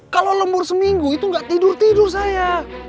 kalau lembur seminggu itu gak tidur tidur saya